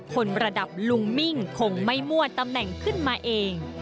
คนระดับลุงมิ่งคงไม่มั่วตำแหน่งขึ้นมาเอง